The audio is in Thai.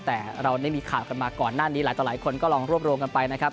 แต่เราได้มีข่าวกันมาก่อนหน้านี้หลายต่อหลายคนก็ลองรวบรวมกันไปนะครับ